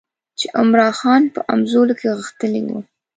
چې عمرا خان په همزولو کې غښتلی وو.